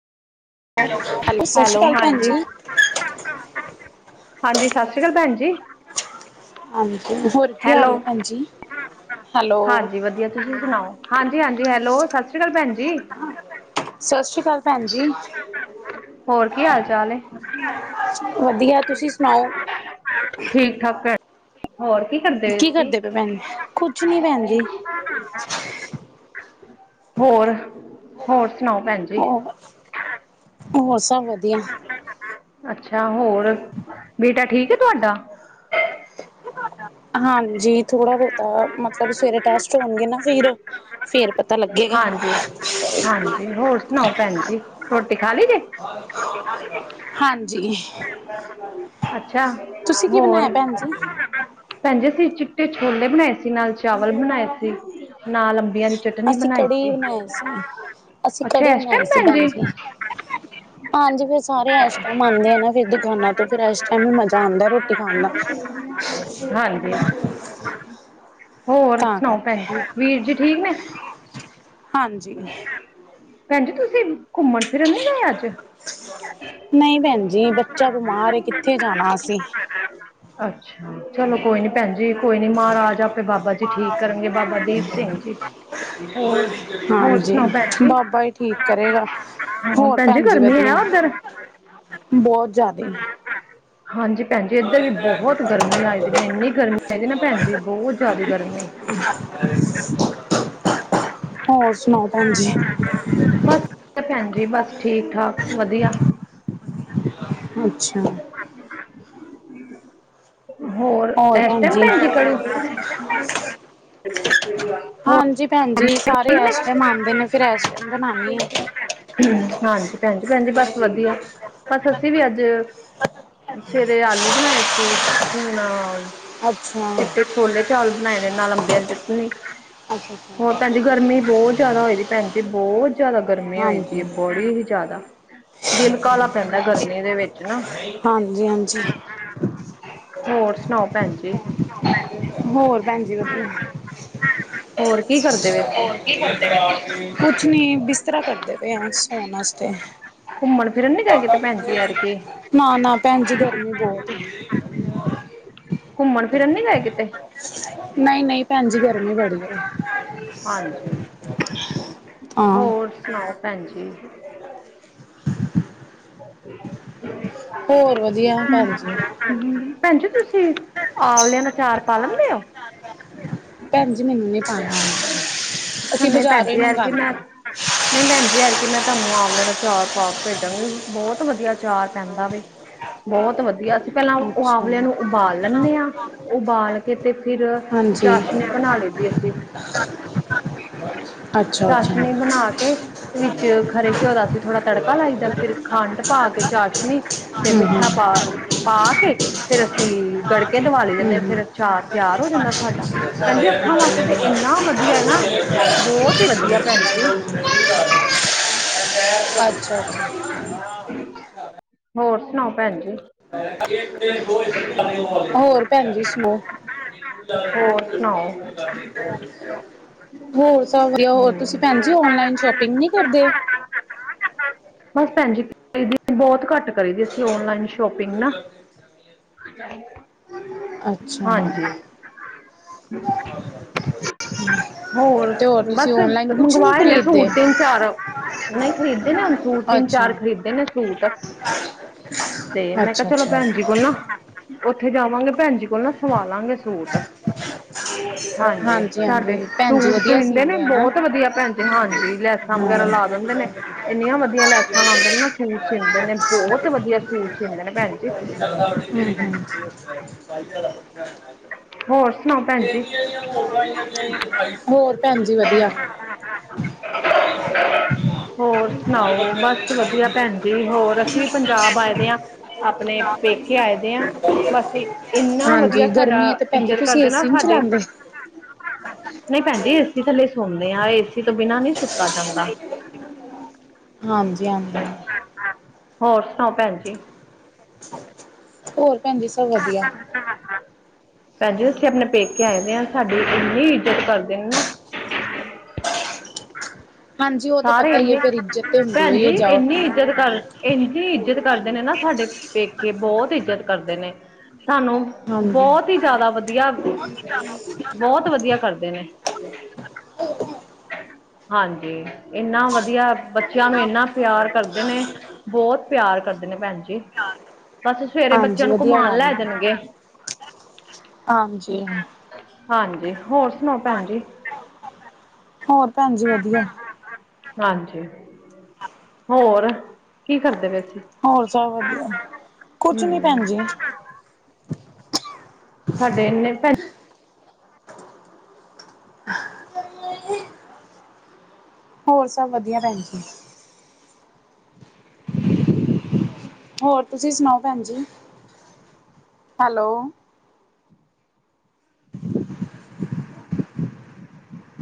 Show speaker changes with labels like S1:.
S1: ਸਤਿ ਸ਼੍ਰੀ
S2: ਹੈਲੋ,
S1: ਅਕਾਲ ਭੈਣ
S2: ਹਾਂਜੀ?
S1: ਜੀ
S2: ਹਾਂਜੀ, ਸਤਿ ਸ੍ਰੀ ਅਕਾਲ ਭੈਣ ਜੀ।
S1: ਹਾਂਜੀ ਹੋਰ ਕੀ ਹਾਲ
S2: ਹੈਲੋ
S1: ਹੈ? ਭੈਣ ਜੀ। ਹੈਲੋ
S2: ਹਾਂਜੀ, ਵਧੀਆ ਤੁਸੀਂ ਸੁਣਾਓ? ਹਾਂਜੀ-ਹਾਂਜੀ, ਹੈਲੋ! ਸਤਿ ਸ੍ਰੀ ਅਕਾਲ, ਭੈਣ ਜੀ।
S1: ਸਤਿ ਸ੍ਰੀ ਅਕਾਲ, ਭੈਣ ਜੀ!
S2: ਹੋਰ ਕੀ ਹਾਲ-ਚਾਲ ਏ?
S1: ਵਧੀਆ, ਤੁਸੀਂ ਸੁਣਾਓ?
S2: ਠੀਕ ਠਾਕ ਭੈਣ ਹੋਰ, ਕੀ ਕਰਦੇ
S1: ਕੀ
S2: ਸੀ?
S1: ਕਰਦੇ ਪਏ ਭੈਣ ਕੁਛ ਨੀ ਭੈਣ ਜੀ
S2: ਹੋਰ? ਹੋਰ ਸੁਣਾਓ, ਭੈਣ ਜੀ।
S1: ਹੋਰ ਹੋਰ, ਸਭ ਵਧੀਆ?
S2: ਅੱਛਾ! ਹੋਰ, ਬੇਟਾ ਠੀਕ ਹੈ ਤੁਹਾਡਾ?
S1: ਹਾਂਜੀ, ਥੋੜਾ-ਬਹੁਤਾ। ਮਤਲਬ, ਸਵੇਰੇ ਟੈਸਟ ਹੋਣਗੇ ਨਾ ਫਿਰ, ਫਿਰ ਪਤਾ ਲੱਗੇਗਾ।
S2: ਹਾਂਜੀ, ਹਾਂਜੀ, ਹੋਰ ਸੁਣਾਓ, ਭੈਣ ਜੀ? ਰੋਟੀ ਖਾ ਲਈ ਜੇ
S1: ਹਾਂਜੀ।
S2: ਅੱਛਾ
S1: ਤੁਸੀਂ ਕੀ
S2: ਹੋਰ
S1: ਬਣਾਇਆ, ਭੈਣ ਜੀ?
S2: ਭੈਣ ਅਸੀਂ ਚਿੱਟੇ ਛੋਲੇ ਬਣਾਏ ਸੀ, ਨਾਲ ਚਾਵਲ ਬਣਾਏ ਸੀ, ਨਾਲ ਅੰਬੀਆਂ ਦੀ ਚਟਨੀ
S1: ਅਸੀਂ
S2: ਬਣਾਈ
S1: ਕੜੀ
S2: ਸੀ
S1: ਬਣਾਈ ਸੀ, ਅਸੀਂ
S2: ਅੱਛਾ
S1: ਕੜੀ
S2: ਇਸ
S1: ਬਣਾਈ
S2: ਟਾਈਮ
S1: ਸੀ, ਭੈਣ ਜੀ। ਹਾਂਜੀ, ਫਿਰ ਸਾਰੇ ਇਸ ਟਾਈਮ ਆਉਂਦੇ ਆ ਨਾ ਫਿਰ ਦੁਕਾਨਾਂ ਤੋਂ ਫਿਰ ਇਸ ਟਾਈਮ ਵੀ ਮਜ਼ਾ ਆਉਂਦਾ ਹੌ ਰੋਟੀ ਖਾਣ ਦਾ।
S2: ਹ [inaudible] ਹਾਂਜੀ, ਹੋਰ
S1: ਤਾਂ
S2: ਸੁਣਾਓ
S1: ਕਰਕੇ
S2: ਭੈਣ ਜੀ, ਵੀਰ ਜੀ ਠੀਕ ਨੇ?
S1: ਹਾਂਜੀ।
S2: ਭੈਣ ਜੀ ਤੁਸੀਂ ਘੁੰਮਣ-ਫਿਰਨ ਨੀ ਗਏ ਅੱਜ।
S1: ਨਹੀਂ, ਭੈਣ ਜੀ, ਬੱਚਾ ਬਿਮਾਰ ਏ ਕਿੱਥੇ ਜਾਣਾ ਅਸੀਂ?
S2: ਅੱਛਾ ਚਲੋ ਕੋਈ ਨੀ ਭੈਣ ਜੀ ਕੋਈ ਨੀ ਮਹਾਰਾਜ ਆਪੇ ਬਾਬਾ ਜੀ ਠੀਕ ਕਰਨਗੇ ਬਾਬਾ ਦੀਪ ਸਿੰਘ ਜੀ। ਹੋਰ ਹੋਰ
S1: ਹਾਂਜੀ
S2: ਸੁਣਾਓ ਭੈਣ ਜੀ
S1: ਬਾਬਾ ਹੀ ਠੀਕ ਕਰੇਗਾ।
S2: ਹਾਂ
S1: ਹੋਰ ਭੈਣ ਜੀ
S2: ਗਰਮੀ ਹੈ
S1: ਵਧੀਆ
S2: ਉਧਰ
S1: ਬਹੁਤ ਜ਼ਿਆਦਾ,
S2: ਹਾਂਜੀ ਭੈਣ ਜੀ ਇੱਧਰ ਵੀ ਬਹੁਤ ਗਰਮੀ ਏ। ਇੰਨੀ ਗਰਮੀ ਹੈਗੀ ਨਾ ਭੈਣ ਜੀ ਬਹੁਤ ਜ਼ਿਆਦਾ ਗਰਮੀ। ਹਾਂ [inaudible]
S1: ਹੋਰ ਸੁ
S2: ਬਸ ਭੈਣ ਜੀ ਬਸ ਠੀਕ ਠਾਕ ਵਧੀਆ।
S1: ਅੱਛਾ
S2: ਹੋਰ ਐਸ ਟਾਈਮ ਭੈਣ ਜੀ ਕੜੀ। ਹੋ
S1: ਹਾਂਜੀ ਭੈਣ ਜੀ ਸਾਰੇ ਐਸਟੈਮ ਆਉਂਦੇ ਨੇ ਫਿਰ ਐਸ ਟੈਮ ਬਣਾਉਣੀ ਆ।
S2: ਨੇ ਹਾਂਜੀ ਭੈਣ ਜੀ ਭੈਣ ਜੀ ਬਸ ਵਧੀਆ ਬਸ ਅਸੀਂ ਵੀ ਅੱਜ ਸਵੇਰੇ ਆਲੂ ਬਣਾਏ ਸੀ ਹੁਣ
S1: ਅੱਛਾ
S2: ਚਿੱਟੇ ਛੋਲੇ ਚਾਵਲ ਬਣਾਏ ਨੇ ਨਾਲ ਅੰਬੀਆਂ ਦੀ ਚਟਨੀ।
S1: ਅੱਛ
S2: ਹੋਰ ਭੈਣ ਜੀ ਗਰਮੀ ਬਹੁਤ ਜ਼ਿਆਦਾ ਹੋਏ ਦੀ ਭੈਣ ਜੀ, ਬਹੁਤ ਜ਼ਿਆਦਾ ਗਰਮੀ ਹੋਈ ਦੀ ਹੈ
S1: ਹਾਂਜੀ
S2: ਬੜੀ ਹੀ ਜ਼ਿਆਦਾ। ਦਿਲ ਕਾਹਲਾ ਪੈਂਦਾ ਗਰਮੀ ਦੇ ਵਿੱਚ ਨਾ।
S1: ਹਾਂਜੀ ਹਾਂਜੀ
S2: ਹੋਰ ਸੁਣਾਓ ਭੈਣ ਜੀ।
S1: ਹੋਰ ਭੈਣ ਜੀ ਵਧੀਆ।
S2: ਹੋਰ ਕੀ ਕਰਦੇ ਪਏ ਸੀ
S1: ਹੋਰ ਕੀ ਕਰਦੇ ਪਏ ਕੁਛ ਨੀ ਬਿਸਤਰਾ ਕਰਦੇ ਪਏ ਹਾਂ ਸੌਣ ਵਾਸਤੇ।
S2: ਘੁੰਮਣ ਫਿਰਨ ਨੀ ਗਏ ਕਿਤੇ ਭੈਣ ਜੀ ਐਤਕੀ
S1: ਨਾ ਨਾ ਭੈਣ ਜੀ ਗਰਮੀ ਬਹੁਤ ਏ।
S2: ਘੁੰਮਣ ਫਿਰਨ ਨੀ ਗਏ ਕਿਤੇ?
S1: ਨਹੀਂ ਨਹੀਂ ਭੈਣ ਜੀ ਗਰਮੀ ਬੜੀ ਏ।
S2: ਹਾਂਜੀ
S1: ਹਾਂ
S2: ਹੋਰ ਸੁਣਾਓ ਭੈਣ ਜੀ।
S1: [inaudible] ਹੋਰ ਵਧੀਆ ਭੈਣ
S2: ਹ
S1: ਜੀ
S2: [inaudible] ਭੈਣਜੀ ਤੁਸੀਂ ਆਂਵਲਿਆਂ ਦਾ ਅਚਾਰ ਪਾ ਲੈਂਦੇ ਓ?
S1: ਭੈਣ ਜੀ, ਮੈਨੂੰ ਨਹੀਂ ਪਾਣਾ ਆਂਦਾ।
S2: ਅੱਛਾ, ਨਹੀਂ ਭੈਣ ਜੀ, ਏਤਕੀ ਮੈਂ ਨਹੀਂ ਭੈਣਜੀ ਏਤਕੀ ਮੈਂ ਤੁਹਾਨੂੰ ਆਵਲੇ ਦਾ ਅਚਾਰ ਪਾਕੇ ਭੇਜਾਂਗੇ ਬਹੁਤ ਵਧੀਆ ਅਚਾਰ ਪੈਂਦਾ ਵੇ। ਬਹੁਤ ਵਧੀਆ ਅਸੀਂ ਪਹਿਲਾਂ ਉ
S1: ਅੱਛਾ
S2: ਆਵਲਿਆਂ ਨੂੰ ਉਬਾਲ ਲੈਂਨੇ ਆਂ ਉਬਾਲ ਕੇ ਤੇ ਫਿਰ ਚਾਸ਼ਨੀ ਬਣਾ ਲਈ ਦੀ ਅਸੀਂ
S1: ਹ
S2: ਚਾਸ਼ਨੀ ਬਣਾ ਕੇ ਵਿੱਚ ਖਰੇ ਘਿਓ ਦਾ ਅਸੀ ਥੋੜਾ ਤੜ ਤੜਕਾ ਲਾਈਦਾ। ਫਿਰ ਖੰਡ ਪਾ ਕੇ, ਚਾਸ਼ਨੀ ਤੇ
S1: ਹਮ ਹਮ
S2: ਮਿੱਠਾ ਪਾ ਪਾ। ਫਿਰ ਅਸੀਂ ਗੜ ਕੇ ਦਿਵਾ ਲਈ ਦੇੇ ਨੇ
S1: ਹਮ
S2: ਫਿਰ
S1: ਹਮ
S2: ਅਚਾਰ ਤਿਆਰ ਹੋ ਜਾਂਦਾ ਸਾਡਾ। ਭੈਣ ਜੀ ਅੱਖਾਂ ਵਾਸਤੇ ਤਾਂ ਇੰਨਾ ਵਧੀਆ ਹੈ ਨਾ ਬਹੁਤ ਹੀ ਵਧੀਆ ਭੈਣ ਜੀ।
S1: ਅੱਛਾ ਅੱਛਾ
S2: ਹੋਰ ਸੁਣਾਓ ਭੈਣ ਜੀ?
S1: ਹੋਰ ਭੈਣ ਜੀ ਸੁਣਾਓ?
S2: ਹੋਰ ਸੁਣਾਓ
S1: ਹੋਰ ਸਭ ਵਧੀਆ, ਹੋਰ ਤੁਸੀਂ ਭੈਣ ਜੀ ਓਨਲਾਈਨ ਸ਼ੋਪਿੰਗ ਨੀ ਕਰਦੇ?
S2: ਬਸ ਭੈਣ ਜੀ ਬਹੁਤ ਘੱਟ ਕਰੀ ਦੀ ਅਸੀ ਓਨਲਾਈਨ ਸ਼ੋਪਿੰਗ ਨਾ।
S1: ਅੱਛਾ।
S2: ਹਾਂਜੀ ਹੋਰ
S1: ਤੇ ਤੁਸੀਂ
S2: ਬਸ
S1: ਔਨਲਾਈਨ ਕੁਛ ਨਹੀਂ
S2: ਮੰਗਵਾਏ ਨੇ
S1: ਖਰੀਦਦੇ?
S2: ਸੂਟ ਤਿੰਨ- ਚਾਰ ਉਹਨੇ ਖਰੀਦੇ ਨੇ ਹੁਣ, ਸੂਟ ਤਿੰਨ
S1: ਅੱਛਾ।
S2: ਚਾਰ ਖਰੀਦੇ ਦੇ ਨੇ ਸੂਟ, ਤੇ ਮੈਂ ਕਿਹਾ
S1: ਅੱਛਾ
S2: ਚਲੋ
S1: ਅੱਛਾ
S2: ਭੈਣ ਜੀ ਕੋਲ ਨਾ, ਓਥ ਉੱਥੇ ਜਾਵਾਂਗੇ, ਭੈਣ ਜੀ ਕੋਲ ਨਾ ਸਵਾ ਲਾਂਗੇ ਸੂਟ। ਹਾਂਜੀ, ਸਾਡੇ
S1: ਹਾਂਜੀ ਭੈਣ ਜੀ
S2: ਸੂਟ
S1: ਵਧੀਆ
S2: ਸੀਂਦੇ ਨੇ,
S1: ਆ ਨਾ।
S2: ਬਹੁਤ ਵਧੀਆ ਭੈਣ ਜੀ ਹਾਂਜੀ ਲੈਸਾਂ,
S1: ਹਾਂ। ਹੂੰ
S2: ਵਗੈਰਾ ਲਾ ਦਿੰਦੇ ਨੇ, ਇੰਨੀਆਂ ਵਧੀਆ ਲੈਸਾਂ ਲਾਂਦੇ ਨੇ ਨਾ ਸੂਟ ਸੀਂਦੇ ਨੇ, ਬਹੁਤ ਵਧੀਆ ਸੂਟ ਸੀਂਦੇ ਨੇ ਭੈਣ ਜੀ।
S1: [unintelligible] ਹੂੰ।
S2: ਹੋਰ? ਸੁਣਾਓ ਭੈਣ ਜੀ
S1: ਹੋਰ ਭੈਣ ਜੀ ਵਧੀਆ। [inaudible] [unintelligible]
S2: ਹੋਰ ਸੁਣਾਓ ਬਸ ਵਧੀਆ ਭੈਣ ਜੀ ਹੋਰ ਅਸੀਂ ਵੀ ਪੰਜਾਬ ਆਏ ਦੇ ਹਾਂ ਆਪਣੇ ਪੇਕੇ ਆਏ ਦੇ ਆ ਬਸ ਇੰਨਾ ਵਧੀਆ
S1: ਹਾਂਜੀ,
S2: ਸਾਡਾ
S1: ਗਰਮੀ ਹੈ ਤੇ ਭੈਣ ਜੀ
S2: ਇੱਜਤ
S1: ਤੁਸੀਂ
S2: ਕਰਦੇ
S1: ਏ
S2: ਨਾ
S1: ਸੀ ਨੀ
S2: ਸਾਡੇ
S1: ਚਲਾਉਂਦੇ?
S2: ਨਹੀਂ ਭੈਣ ਜੀ ਏਸੀ ਥੱਲੇ ਸੌਦੇ ਆ, ਏਸੀ ਤੋਂ ਬਿਨਾਂ ਨਹੀ ਸੁੱਤਾ ਜਾਂਦਾ। ਹਾਂਜੀ, ਹਾਂ।
S1: ਹਾਂਜੀ-ਹਾਂਜੀ।
S2: ਹੋਰ ਸੁਣਾਓ ਭੈਣ ਜੀ।
S1: ਹੋਰ ਭੈਣ ਜੀ, ਸਭ ਵਧੀਆ।
S2: ਭੈਣ ਜੀ, ਅਸੀਂ ਆਪਣੇ ਪੇਕੇ ਆਏ ਦੇ ਹਾਂ, ਸਾਡੀ ਇੰਨੀ ਇੱਜਤ ਕਰਦੇ ਨੇ ਨਾ।
S1: ਹਾਂਜੀ ਉਹ ਤੇ
S2: ਸਾਰੇ
S1: ਪਤਾ ਹੀ ਹੈ
S2: ਇੰਨੇ
S1: ਫੇਰ ਇੱਜਤ ਤੇ ਹੁੰਦੀ
S2: ਭੈਣ
S1: ਹੋਈ ਹੈ
S2: ਜੀ,
S1: ਜਾਓ
S2: ਇੰਨੀ ਇੱਜਤ ਕਰ, ਇੰਨੀ ਇੱਜਤ ਕਰਦੇ ਨੇ ਨਾ ਸਾਡੇ। ਪੇਕੇ, ਬਹੁਤ ਇੱਜਤ ਕਰਦੇ ਨੇ। ਸਾਨੂੰ
S1: ਹਾਂਜੀ
S2: ਬਹੁਤ ਹੀ ਜ਼ਿਆਦਾ ਵਧੀਆ ਬਹੁਤ ਵਧੀਆ ਕਰਦੇ ਨੇ, ਹਾਂਜੀ। ਇੰਨਾ ਵਧੀਆ ਬੱਚਿਆਂ ਨੂੰ, ਇੰਨਾ ਪਿਆਰ ਕਰਦੇ ਨੇ, ਬਹੁਤ ਪਿਆਰ ਕਰਦੇ ਨੇ ਭੈਣ ਜੀ ਬਸ ਸਵੇਰੇ, ਬੱਚਿਆਂ
S1: ਹਾਂਜੀ
S2: ਨੂੰ
S1: ਵਧੀਆ
S2: ਘੁੰਮਉਣ
S1: ਗੱਲ
S2: ਲੈ
S1: ਹੈ
S2: ਜਾਣਗੇ।
S1: ਹਾਂਜੀ
S2: ਹਾਂਜੀ, ਹੋਰ ਸੁਣਾਓ ਭੈਣ ਜੀ।
S1: ਹੋਰ ਭੈਣ ਜੀ ਵਧੀਆ
S2: ਹਾਂਜੀ, ਹੋਰ? ਕੀ ਕਰਦੇ ਪਏ ਸੀ
S1: ਹੋਰ ਸਭ ਵਧੀਆ, ਕੁਛ ਨੀ
S2: ਹੂੰ
S1: ਭੈਣ ਜੀ।
S2: ਸਾਡੇ ਇੰਨੇ ਭੈ
S1: [inaudible] ਹੋਰ ਸਭ ਵਧੀਆ ਭੈਨ ਜੀ। ਹੋਰ ਤੁਸੀਂ ਸੁਣਾਓ ਭੈਣ ਜੀ, ਹੈਲੋ।
S2: [inaudible]